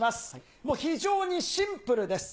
もう非常にシンプルです。